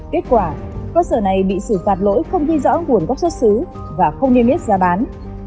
kết quả cơ sở này bị xử phạt lỗi không ghi rõ nguồn gốc xuất xứ và không niêm yết giá bán